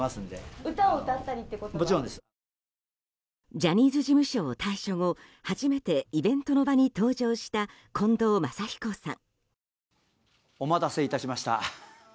ジャニーズ事務所を退所後初めてイベントの場に登場した近藤真彦さん。